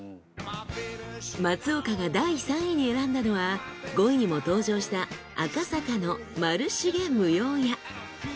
松岡が第３位に選んだのは５位にも登場した赤坂のまるしげ夢葉家。